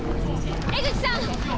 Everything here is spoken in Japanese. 江口さん！